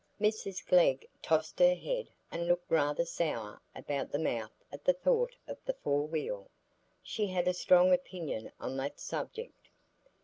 Mrs Glegg tossed her head and looked rather sour about the mouth at the thought of the "four wheel." She had a strong opinion on that subject.